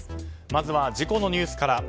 まずは事故のニュースから。